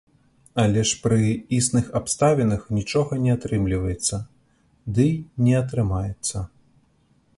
Але ж пры існых абставінах нічога не атрымліваецца, дый не атрымаецца.